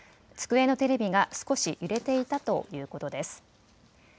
机のテレビが少し揺れていたということです。